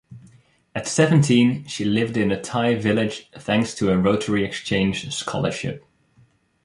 At seventeen, she lived in a Thai village thanks to a Rotary exchange scholarship.